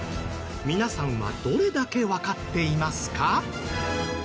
皆さんはどれだけわかっていますか？